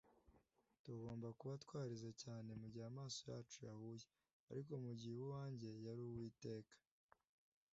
Tugomba kuba twarize cyane mugihe amaso yacu yahuye, ariko mugihe uwanjye yari Uwiteka